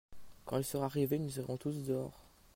Quand il sera arrivé nous irons tous dehors.